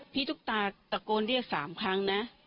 ตุ๊กตาตะโกนเรียก๓ครั้งนะ